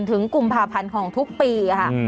ถึงกุมภาพันธ์ของทุกปีค่ะ